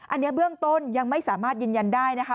อันนี้เบื้องต้นยังไม่สามารถยืนยันได้นะคะ